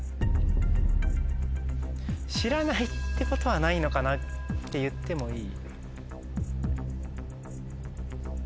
知らないってことはないのかなって言ってもいい。